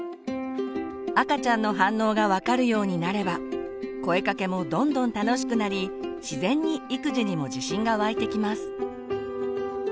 赤ちゃんの反応が分かるようになれば声かけもどんどん楽しくなり自然に育児にも自信が湧いてきます。